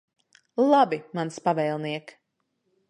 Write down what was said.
Labi, mans pavēlniek.